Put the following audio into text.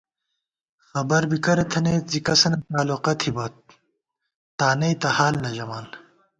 خبر بی کرہ تھنَئیت زی کسَنہ تالُوقہ تھِبہ، تانئ تہ حال نہ ژَمان